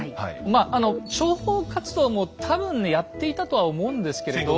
まあ諜報活動も多分ねやっていたとは思うんですけれど。